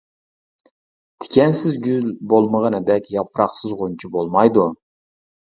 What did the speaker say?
تىكەنسىز گۈل بولمىغىنىدەك، ياپراقسىز غۇنچە بولمايدۇ.